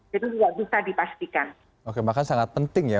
jadi tidak bisa dipastikan